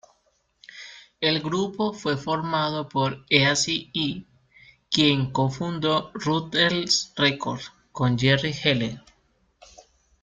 El grupo fue formado por Eazy-E, quien cofundó Ruthless Records con Jerry Heller.